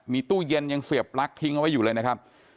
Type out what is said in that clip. มีตู้เย็นยังเสียบปลั๊กทิ้งเอาไว้อยู่เลยนะครับ